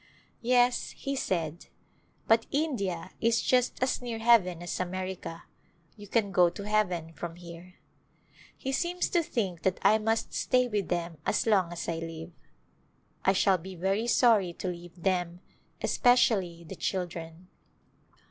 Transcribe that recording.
" Yes," he said, " but India is just as near heaven as America ; you can go to heaven from here." He seems to think that I must stay with them as long as I live. I shall be very sorry to leave them, especially the children.